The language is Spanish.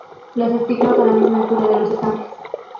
Los estigmas a la misma altura de los estambres.